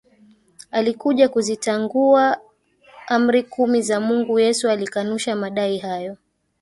alikuja kuzitangua Amri kumi za Mungu Yesu alikanusha madai hayo